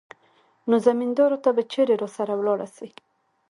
نو زمينداورو ته به چېرې راسره ولاړه سي.